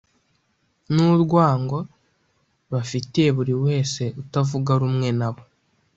n’urwango bafitiye buri wese utavuga rumwe nabo